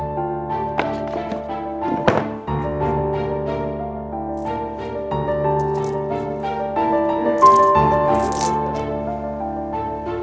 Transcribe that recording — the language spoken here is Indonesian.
mungkin gue bisa dapat petunjuk lagi disini